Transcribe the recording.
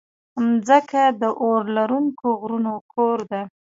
مځکه د اورلرونکو غرونو کور ده.